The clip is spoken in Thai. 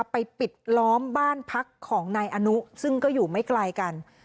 ปิดล้อมบ้านพักของนายอนุซึ่งก็อยู่ไม่ไกลกัน